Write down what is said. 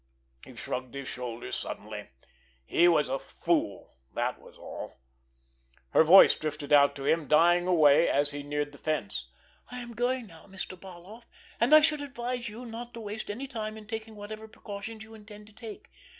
He shrugged his shoulders suddenly. He was a fool—that was all! Her voice drifted out to him, dying away as he neared the fence: "I am going now, Mr. Barloff, and I should advise you not to waste any time in taking whatever precautions you intend to take.